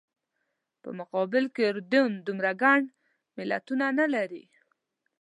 په مقابل کې اردن دومره ګڼ ملتونه نه لري.